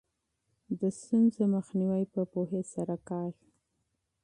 د ستونزو مخنیوی په پوهې سره کیږي.